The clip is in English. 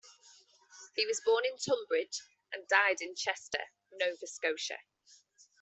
He was born in Tonbridge and died in Chester, Nova Scotia.